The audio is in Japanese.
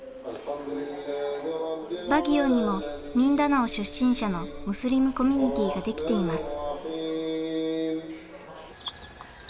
バギオにもミンダナオ出身者のムスリムコミュニティーができています。